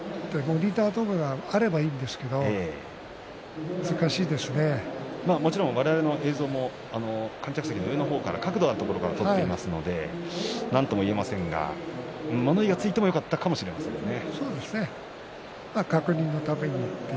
盛り上がればいいんですけれどももちろん我々の映像も観客席の上のところから角度のあるところから撮っていますのでなんとも言えませんが物言いがついてもよかったかもしれませんね。